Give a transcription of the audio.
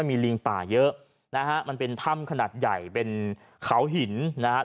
มีลิงป่าเยอะนะฮะมันเป็นถ้ำขนาดใหญ่เป็นเขาหินนะฮะ